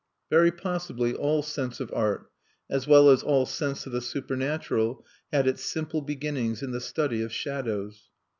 Very possibly all sense of art, as well as all sense of the supernatural, had its simple beginnings in the study of shadows.